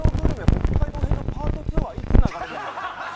北海道編のパート２はいつ流れるんですか？